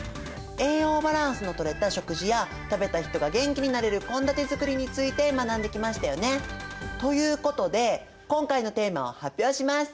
栄養バランスのとれた食事や食べた人が元気になれる献立づくりについて学んできましたよね。ということで今回のテーマを発表します。